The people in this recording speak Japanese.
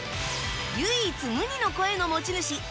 唯一無二の声の持ち主